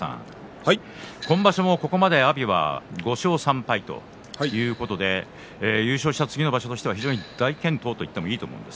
今場所も、ここまで阿炎は５勝３敗ということで優勝した次の場所としては非常に大健闘といってもいいと思います。